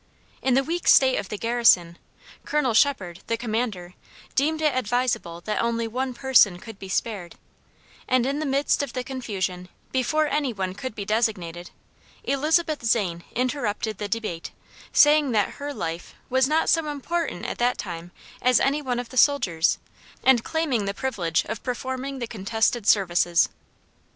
In the weak state of the garrison, Colonel Shepard, the commander, deemed it advisable that only one person could be spared; and in the midst of the confusion, before any one could be designated, Elizabeth Zane interrupted the debate, saying that her life, was not so important at that time as any one of the soldiers, and claiming the privilege of performing the contested services.